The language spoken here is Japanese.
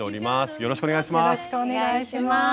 よろしくお願いします。